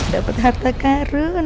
dapat harta karun